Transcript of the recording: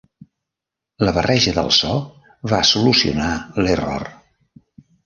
La barreja del so va solucionar l'error.